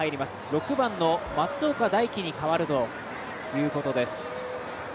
６番の松岡大起に代わるということです。